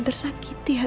terima kasih bu